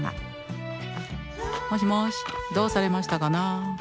「もしもしどうされましたかな？」